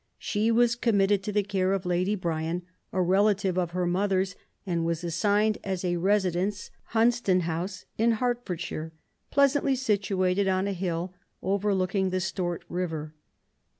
She was committed to the care of Lady Bryan, a relative of her mother, and was assigned as a residence, Hunsdon House, in Hert fordshire, pleasantly situated on a hill overlooking the Stort river.